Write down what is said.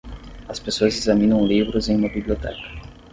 As pessoas examinam livros em uma biblioteca.